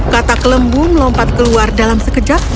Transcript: kata kelembung lompat keluar dalam sebuah kubur